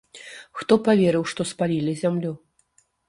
Хто паверыў, што спалілі зямлю?